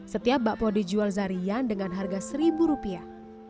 setiap bakpo dijual zarian dengan harga seribu rupiah